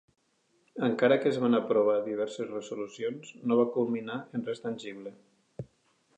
Encara que es van aprovar diverses resolucions, no va culminar en res tangible.